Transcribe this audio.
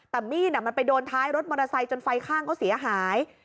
แต่มีดมันไปโดนท้ายรถมอเตอร์ไซค์จนไฟข้างเขาเสียหาย